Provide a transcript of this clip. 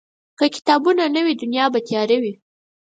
که کتابونه نه وي، دنیا به تیاره وي.